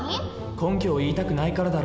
根拠を言いたくないからだろ。